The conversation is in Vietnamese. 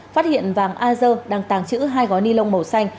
phát hiện vàng ager đang tàng trữ hai gói ni lông màu xanh